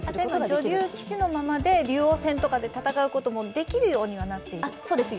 女流棋士のままで竜王戦で戦うとかもできるようにはなっているんですか？